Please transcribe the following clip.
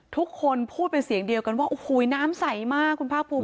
ทุกคนพูดเป็นเสียงเดียวกันว่าโอ้โหน้ำใสมากคุณภาคภูมิ